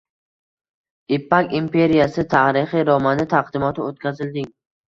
“Ipak imperiyasi” tarixiy romani taqdimoti o‘tkazilding